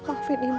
pergi ke sana